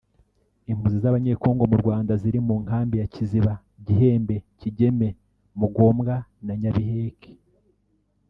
Impunzi z’Abanyekongo mu Rwanda ziri mu Nkambi ya Kiziba; Gihembe; Kigeme; Mugombwa na Nyabiheke